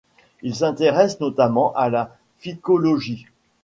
Il s'intéresse notamment à la phycologie.